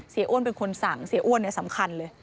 เสียอ้วนเป็นคนสั่งเสียอ้วนเนี่ยสำคัญเลย